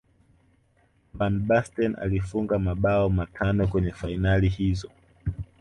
van basten alifunga mabao matano kwenye fainali hizo